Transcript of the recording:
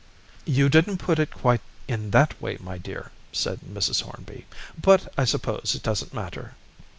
"You didn't put it quite in that way, my dear," said Mrs. Hornby, "but I suppose it doesn't matter."